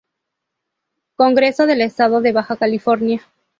Congreso del Estado de Baja California